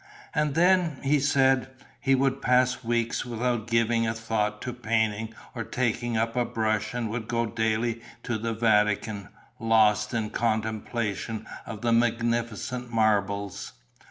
And then, he said, he would pass weeks without giving a thought to painting or taking up a brush and would go daily to the Vatican, lost in contemplation of the magnificent marbles.